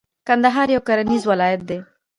کندهار یو کرنیز ولایت دی.